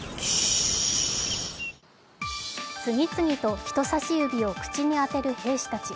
次々と人さし指を口に当てる兵士たち。